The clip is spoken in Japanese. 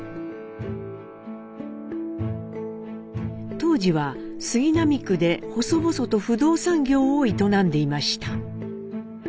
東二は杉並区で細々と不動産業を営んでいました。